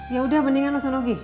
ya udah mendingan lo senologi